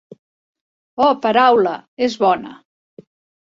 Oh, paraula, és bona.